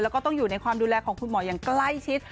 แล้วก็ต้องอยู่ในความดูแลของคุณหมออย่างใกล้ชิด